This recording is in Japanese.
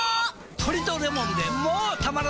トリとレモンでもたまらない